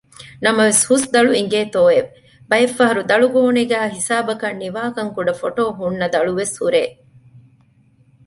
ނަމަވެސް ހުސް ދަޅު އިނގޭތޯއެވެ! ބައެއްފަހަރު ދަޅުގޯނީގައި ހިސާބަކަށް ނިވާކަންކުޑަ ފޮޓޯ ހުންނަ ދަޅުވެސް ހުރޭ